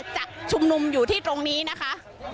จะชุมนุมอยู่ที่ตรงนี้นะคะ